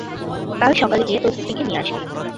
কাল সকালে গিয়ে তোর স্ত্রী কে নিয়ে আসবি।